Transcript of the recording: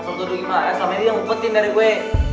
selama ini yang ngupetin dari gue